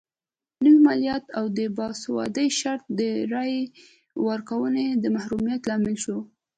نوي مالیات او د باسوادۍ شرط د رایې ورکونکو د محرومیت لامل شول.